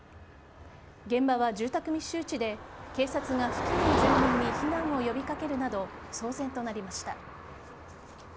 現場は住宅密集地で警察が付近の住民に避難を呼び掛けるなど騒然となりました。